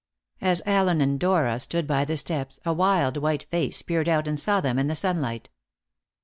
As Allen and Dora stood by the steps, a wild white face peered out and saw them in the sunlight.